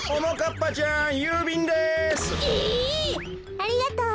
ありがとう。